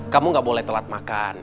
kamu gak boleh telat makan